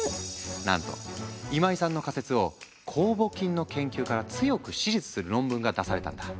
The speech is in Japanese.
なんと今井さんの仮説を酵母菌の研究から強く支持する論文が出されたんだ。